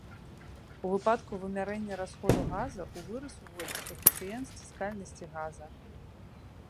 У выпадку вымярэння расходу газа ў выраз уводзяць каэфіцыент сціскальнасці газа.